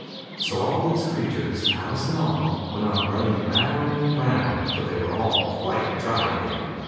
So all these creatures, Alice and all, went on running round and round, till they were all quite dry again.